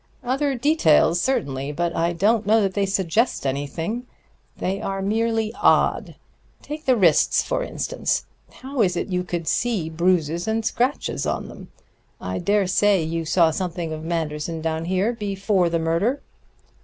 "Other details, certainly; but I don't know that they suggest anything. They are merely odd. Take the wrists, for instance. How is it you could see bruises and scratches on them? I dare say you saw something of Manderson down here before the murder?"